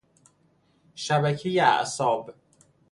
شبکهی اعصاب